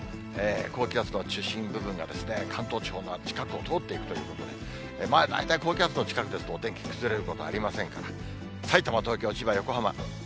高気圧の中心部分が、関東地方の近くを通っていくということで、大体高気圧の近くですと、お天気崩れることはありませんから、さいたま、東京、千葉、横浜。